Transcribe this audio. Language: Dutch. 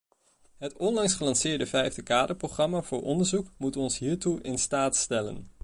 Het onlangs gelanceerde vijfde kaderprogramma voor onderzoek moet ons hiertoe in staat stellen.